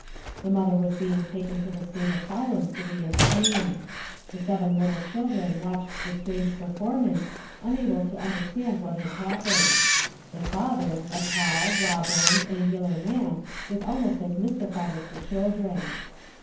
The mother was being taken to the state asylum for the insane. The seven little children watched the strange performance, unable to understand what had happened. The father, a tall, raw boned, angular man was almost as mystified as the children.